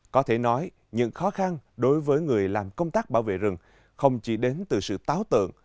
có thể nói những khó khăn đối với người làm công tác bảo vệ rừng không chỉ đến từ sự táo tượng